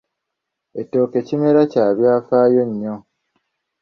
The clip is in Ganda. Ekitooke kimera kya byafaayo nnyo.